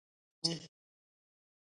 Di piɛlimi.